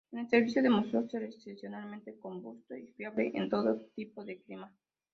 En el servicio demostró ser excepcionalmente robusto y fiable en todo tipo de clima.